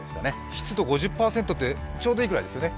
湿度５０％ってちょうどいいくらいですよね？